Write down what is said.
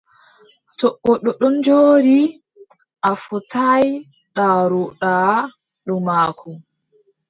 To goɗɗo ɗon jooɗi, a fotaay ndarooɗaa dow maako,